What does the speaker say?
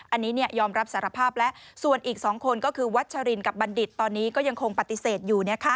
อันนี้ยอมรับสารภาพแล้วส่วนอีก๒คนก็คือวัชรินกับบัณฑิตตอนนี้ก็ยังคงปฏิเสธอยู่